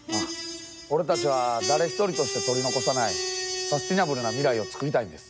俺たちは誰ひとりとして取り残さないサステナブルな未来をつくりたいんです。